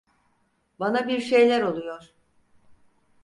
Bana bir şeyler oluyor.